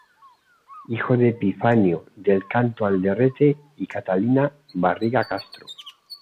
Hijo de Epifanio del Canto Alderete y Catalina Barriga Castro.